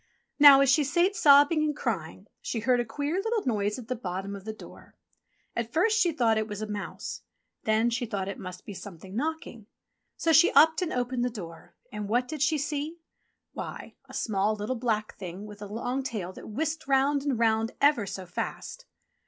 Now as she sate sobbing and crying she heard a queer little noise at the bottom of the door. At first she thought it was a mouse. Then she thought it must be something knocking. So she upped and opened the door and what did she see .? Why ! a small, little, black Thing with a long tail that whisked round and round ever so fast.